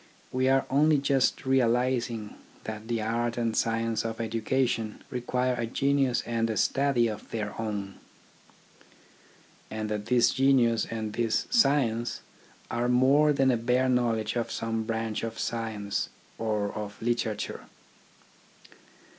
We are only just realising that the art and science of educa tion require a genius and a study of their own ; and that this genius and this science are more than a bare knowledge of some branch of science or of literature.